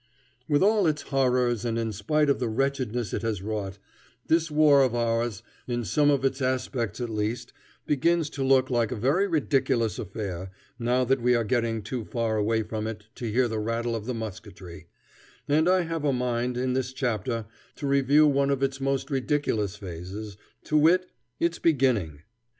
With all its horrors and in spite of the wretchedness it has wrought, this war of ours, in some of its aspects at least, begins to look like a very ridiculous affair, now that we are getting too far away from it to hear the rattle of the musketry; and I have a mind, in this chapter, to review one of its most ridiculous phases, to wit, its beginning.